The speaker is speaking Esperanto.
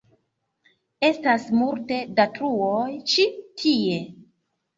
Estas multe da truoj ĉi tie.